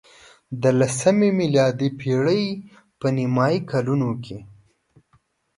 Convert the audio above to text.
د لسمې میلادي پېړۍ په نیمايي کلونو کې.